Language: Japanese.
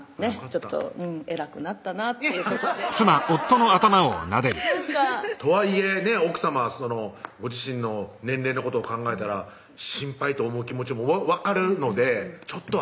ちょっと偉くなったなということでとはいえね奥さまご自身の年齢のことを考えたら心配と思う気持ちも分かるのでちょっと